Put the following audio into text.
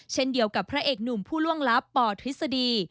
เช่นเดียวกับพระเอกหนุ่มผู้ล่วงลับปทฤษฎี